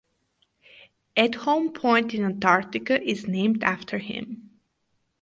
Edholm Point in Antarctica is named after him.